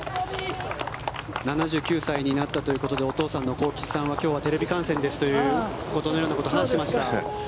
７９歳になったということでお父さんは今日はテレビ観戦ですというようなことを話していました。